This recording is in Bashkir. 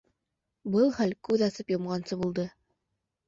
Был хәл күҙ асып йомғансы булды.